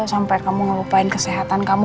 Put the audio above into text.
sampai kamu ngelupain kesehatan kamu